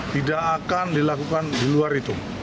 tidak akan dilakukan di luar itu